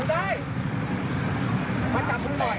กลับมาช่วยกัน